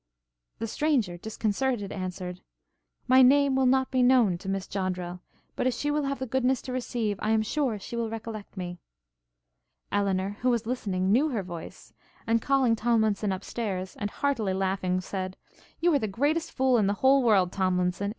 The stranger, disconcerted, answered, 'My name will not be known to Miss Joddrel, but if she will have the goodness to receive, I am sure she will recollect me.' Elinor, who was listening, knew her voice, and, calling Tomlinson up stairs, and heartily laughing, said, 'You are the greatest fool in the whole world, Tomlinson!